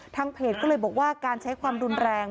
เพจก็เลยบอกว่าการใช้ความรุนแรง